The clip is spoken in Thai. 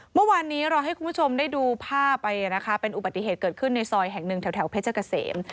เมื่อวานนี้เราให้คุณผู้ชมได้ดูภาพไปนะคะเป็นอุบัติเหตุเกิดขึ้นในซอยแห่งหนึ่งแถวเพชรเกษม